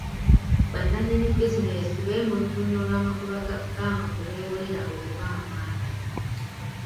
Ba nnanyini bizinesi bemulugunya olw'amagoba ga bank kwe beewolera okuba amangi.